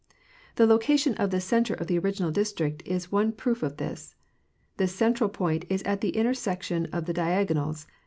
The location of the center of the original District is one proof of this. This central point is at the intersection of the diagonals.